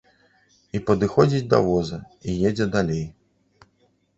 І падыходзіць да воза і едзе далей.